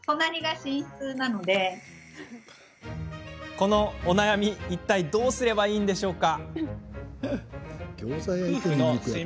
このお悩み、いったいどうすればいいのでしょうか？